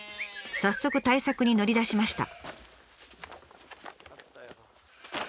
早速対策に乗り出しました。